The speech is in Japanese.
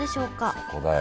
そこだよ